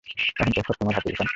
এখন সব তোমার হাতে, ইরফান।